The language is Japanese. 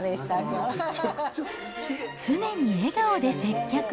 常に笑顔で接客。